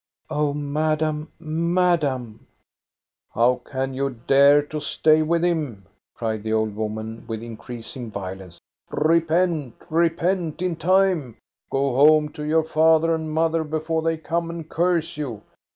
" Oh, madame, madame !"" How can you dare to stay with him?" cried the old woman, with increasing violence. " Repent, re pent in time ! Go home to your father and mother, before they come and curse you.